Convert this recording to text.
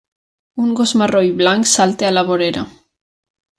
un gos marró i blanc salta a la vorera.